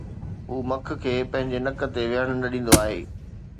هو مکڻ کي پنهنجي نڪ تي ويهڻ نه ڏيندو آهي